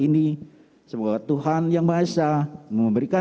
ini semoga tuhan yang mahasisa memberikan kekuatan